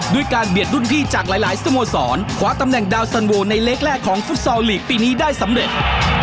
ด้วยการเบียดรุ่นพี่จากหลายสโมสรคว้าตำแหน่งดาวสันโวในเล็กแรกของฟุตซอลลีกปีนี้ได้สำเร็จ